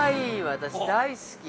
私大好き。